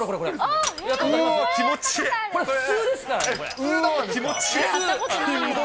おー、気持ちいい。